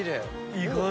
意外！